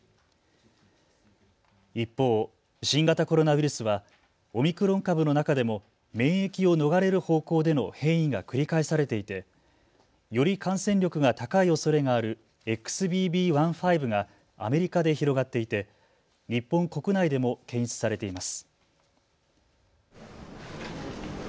一方、新型コロナウイルスはオミクロン株の中でも免疫を逃れる方向での変異が繰り返されていてより感染力が高いおそれがあるＸＢＢ．１．５がアメリカで広がっていて日本国内でも検出されています。